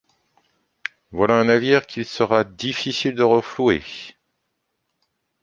Voilà un navire qu’il sera difficile de renflouer!